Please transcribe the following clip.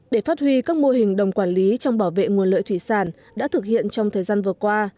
để phát huy các mô hình đồng quản lý trong bảo vệ nguồn lợi thủy sản đã thực hiện trong thời gian vừa qua